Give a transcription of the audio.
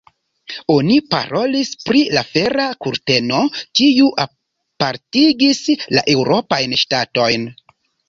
Oni parolis pri la fera kurteno, kiu apartigis la eŭropajn ŝtatojn.